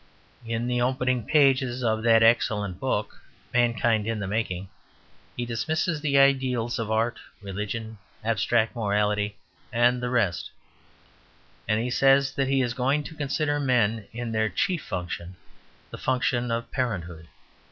In the opening pages of that excellent book MANKIND IN THE MAKING, he dismisses the ideals of art, religion, abstract morality, and the rest, and says that he is going to consider men in their chief function, the function of parenthood.